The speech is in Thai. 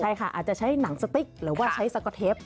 ใช่ค่ะอาจจะใช้หนังสติ๊กหรือว่าใช้สก๊อตเทป